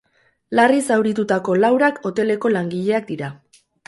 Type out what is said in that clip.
Larri zauritutako laurak hoteleko langileak dira.